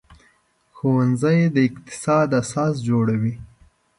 ښوونځی د اقتصاد اساس جوړوي